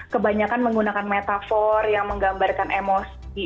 kebanyakan menggunakan metafor yang menggambarkan emosi